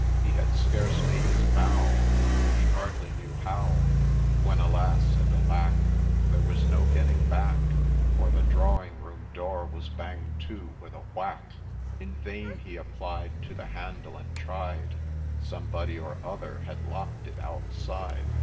He had scarce made his bow, He hardly knew how, When alas ! and alack ! There was no getting back THE TRAGEDY 175 For the drawing room door was bang'd to with a whack ;— In vain he applied To the handle and tried, Somefcody or other had locked it outside